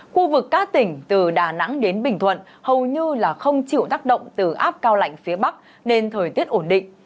khu vực các tỉnh từ đà nẵng đến bình thuận hầu như không chịu tác động từ áp cao lạnh phía bắc nên thời tiết ổn định